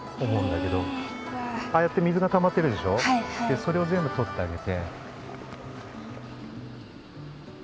それを全部とってあげて。